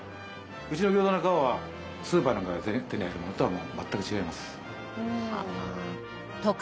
うちの餃子の皮はスーパーなんかで手に入るものとは全く違います。